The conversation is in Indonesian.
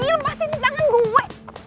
eh pas ini tangan gue